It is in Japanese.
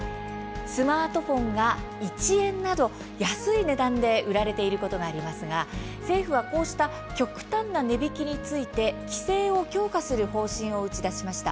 スマートフォンが１円など安い値段で売られていることがありますが、政府はこうした極端な値引きについて規制を強化する方針を打ち出しました。